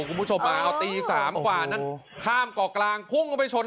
คุณผู้ชมมาเอาตี๓กว่านั้นข้ามเกาะกลางพุ่งเข้าไปชน